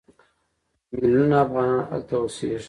میلیونونه افغانان هلته اوسېږي.